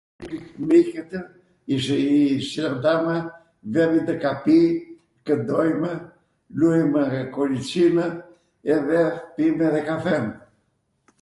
Gjith miqwtw, i sheh andama, vemi ndw KAPI, kwndojmw, luajmw kolicinw edhe pijmw edhe kafenw.